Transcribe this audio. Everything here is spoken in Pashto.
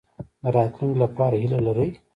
د راتلونکي لپاره هیله لرئ؟